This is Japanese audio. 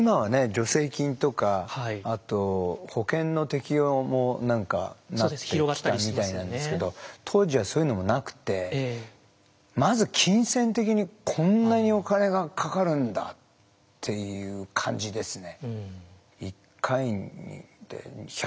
助成金とかあと保険の適用も何かなってきたみたいなんですけど当時はそういうのもなくてまず金銭的にこんなにお金がかかるんだっていう感じですね。